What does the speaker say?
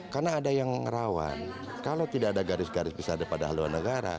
karena ada yang rawan kalau tidak ada garis garis besar daripada haluan negara